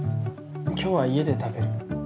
今日は家で食べる。